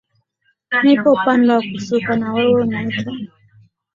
nipo upande wa kusuka na wewe unaitwa